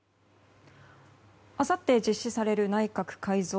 あさって実施される内閣改造